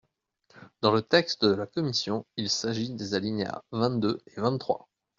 Dans le texte de la commission, il s’agit des alinéas vingt-deux et vingt-trois.